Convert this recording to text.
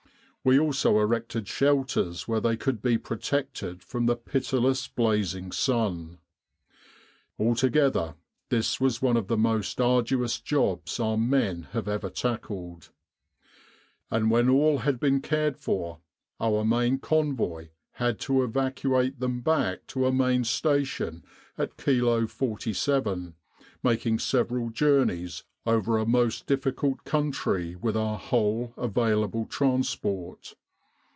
We also erected shelters where they could be protected from the pitiless blazing sun. Alto gether, this was one of the most arduous jobs our men have ever tackled. And when all had been cared for, our main Convoy had to evacuate them back to a main station at Kilo 47, making several journeys over a most difficult country with our whole available transport.